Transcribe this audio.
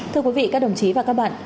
thưa quý vị các đồng chí và các bạn